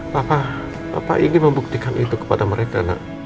papa papa ingin membuktikan itu kepada mereka